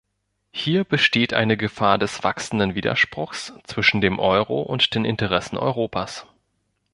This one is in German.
Hier besteht eine Gefahr des wachsenden Widerspruchs zwischen dem Euro und den Interessen Europas.